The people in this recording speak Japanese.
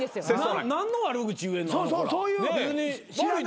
何の悪口言えんの？